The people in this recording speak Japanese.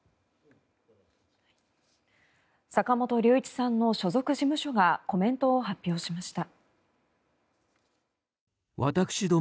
坂本龍一さんの所属事務所がコメントを発表しました。